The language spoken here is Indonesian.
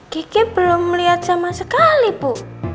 kiki belum melihat sama sekali bu